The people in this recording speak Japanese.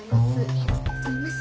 ありがとうございます。